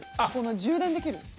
充電できる？